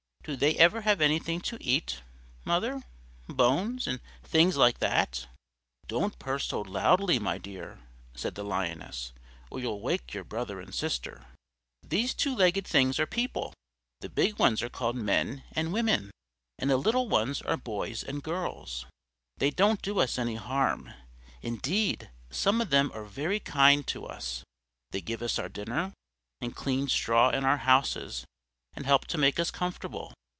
Do they ever have anything to eat, mother bones, and things like that?" "Don't purr so loudly, my dear," said the Lioness, or you'll wake your brother and sister. These two legged things are people the big ones are called men and women, and the little ones are boys and girls. They don't do us any harm; indeed, some of them are very kind to us they give us our dinner, and clean straw in our houses, and help to make us comfortable.